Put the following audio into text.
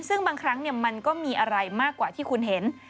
ซึ่งบางครั้งมันก็มีอะไรมากกว่าที่คุณเห็น